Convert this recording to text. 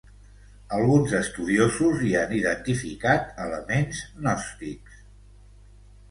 Alguns estudiosos hi han identificat elements gnòstics.